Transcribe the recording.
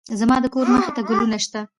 زما د کور مخې ته ګلونه شته